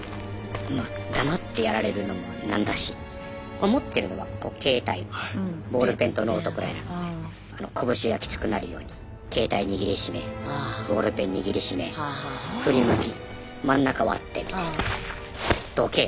まあ黙ってやられるのも何だし持ってるのは携帯ボールペンとノートくらいなので拳がきつくなるように携帯握り締めボールペン握り締め振り向き真ん中割ってみたいな。